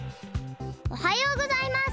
おはようございます。